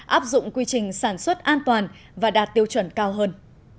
áp dụng quy trình sản xuất an toàn và đạt tiêu chuẩn cao hơn